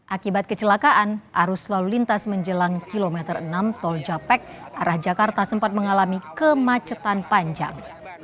akibat kecelakaan arus lalu lintas menjelang kilometer enam tol japek arah jakarta sempat mengalami kemacetan panjang